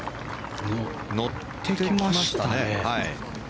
乗ってきましたね。